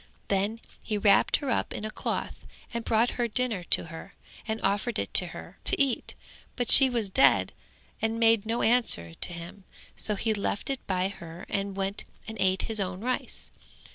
Then he wrapped her up in a cloth and brought her dinner to her and offered it her to eat, but she was dead and made no answer to him, so he left it by her and went and ate his own rice.